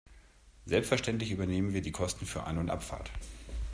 Selbstverständlich übernehmen wir die Kosten für An- und Abfahrt.